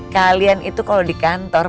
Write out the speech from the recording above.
kalian itu kalau di kantor